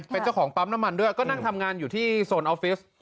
เป็นเจ้าของปั๊มน้ำมันด้วยก็นั่งทำงานอยู่ที่โซนออฟฟิศ